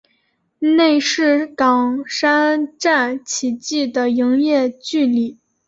内是冈山站起计的营业距离。